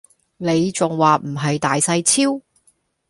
你仲話唔係大細超